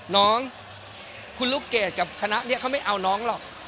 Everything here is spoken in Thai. น้องคุณลูกเกดกับคณะนี้เขาไม่เอาน้องหรอก